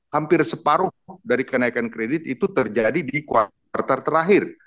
hampir separuh dari kenaikan kredit itu terjadi di kuartal terakhir